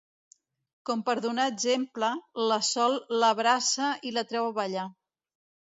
Com per donar exemple, la Sol l'abraça i la treu a ballar.